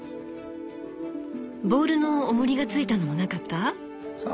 ボールのおもりがついたのもなかった？